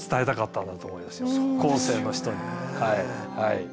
後世の人に。